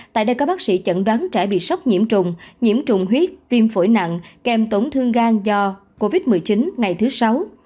tại đây các bác sĩ chẩn đoán trẻ bị sốc nhiễm trùng nhiễm trùng huyết viêm phổi nặng kèm tổn thương gan do covid một mươi chín ngày thứ sáu